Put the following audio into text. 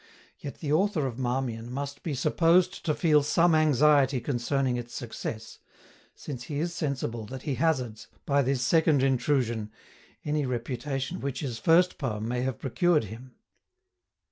Yet the Author of MARMION must be supposed to feel some anxiety concerning its success, since he is sensible that he hazards, by this second intrusion, any reputation which his first Poem may have procured him.